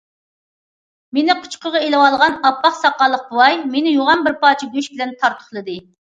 مېنى قۇچىقىغا ئېلىۋالغان ئاپئاق ساقاللىق بوۋاي مېنى يوغان بىر پارچە گۆش بىلەن تارتۇقلىدى.